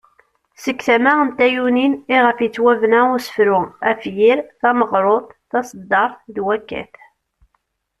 Seg tama n tayunin iɣef yettwabena usefru, afyir, tameɣrut ,taseddart ,d wakat.